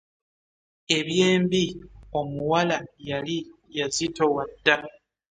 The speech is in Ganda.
Ebyembi omuwala yali yazitowa dda